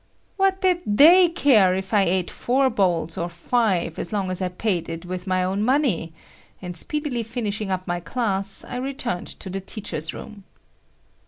What did they care if I ate four bowls or five as long as I paid it with my own money,—and speedily finishing up my class, I returned to the teachers' room.